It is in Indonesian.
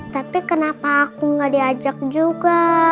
tapi kenapa aku nggak diajak juga